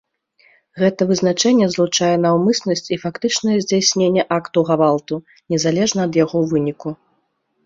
Гэта вызначэнне злучае наўмыснасць і фактычныя здзяйсненне акту гвалту, незалежна ад яго выніку.